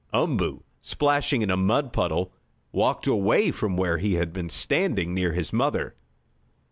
Umboo, splashing in a mud puddle, walked away from where he had been standing near his mother.